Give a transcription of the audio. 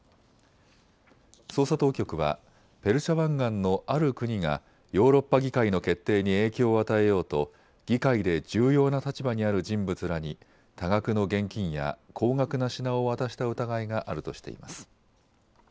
捜査当局はペルシャ湾岸のある国がヨーロッパ議会の決定に影響を与えようと議会で重要な立場にある人物らに多額の現金や高額な品を渡した疑いがあるとしています。